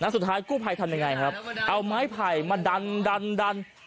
สุดท้ายกู้ภัยทำยังไงครับเอาไม้ไผ่มาดันดัน